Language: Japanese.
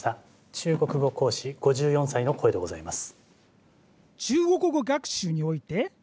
中国語講師５４歳の声でございます。